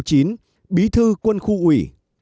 phó tư lệnh bí thư quân khu ủy